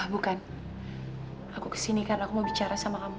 bukan aku kesini karena aku mau bicara sama kamu